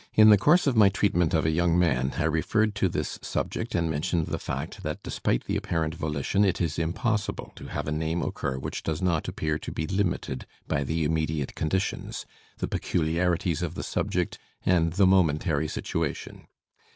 In the course of my treatment of a young man, I referred to this subject and mentioned the fact that despite the apparent volition it is impossible to have a name occur which does not appear to be limited by the immediate conditions, the peculiarities of the subject, and the momentary situation.